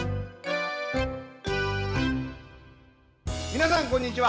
皆さん、こんにちは。